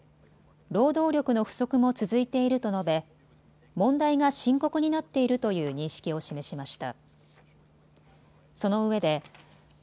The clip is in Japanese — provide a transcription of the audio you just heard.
労働力の不足も続いていると述べ問題が深刻になっているという認識を示しました。